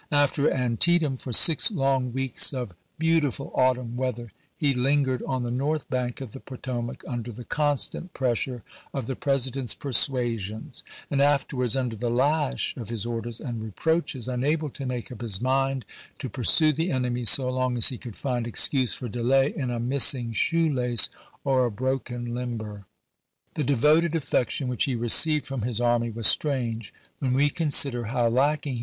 After Antietam, for six long weeks of beau tiful autumn weather he lingered on the north bank of the Potomac, under the constant pressure of the President's persuasions, and afterwards under the lash of his orders and reproaches, unable to make up his mind to pursue the enemy so long as he could find excuse for delay in a missing shoe lace or a broken limber. The devoted affection which he received from his army was strange when we consider how lacking 192 ABKAHAM LINCOLN Chap. IX.